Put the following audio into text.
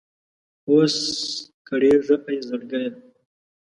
اوس کړېږه اې زړګيه!